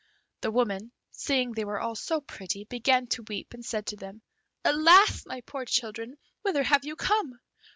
The woman, seeing they were all so pretty, began to weep, and said to them, "Alas! my poor children, whither have you come?